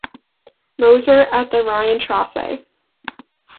Moser at the Rheinstrasse.